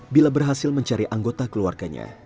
bila berhasil mencari anggota keluarganya